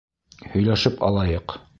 Һөйләшеп алайыҡ.